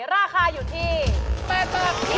ราคาอยู่ที่๘บาท